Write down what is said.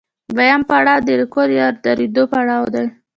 دویم پړاو د رکود یا درېدو پړاو دی